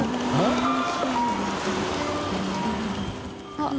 あっ。